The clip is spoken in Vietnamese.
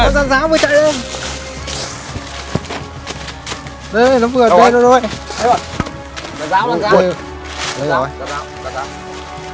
ồi rắn rắn luôn ấy